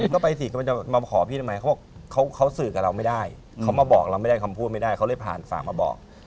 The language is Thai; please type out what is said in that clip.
ขี่ไปแข่งมอไซค์ครับ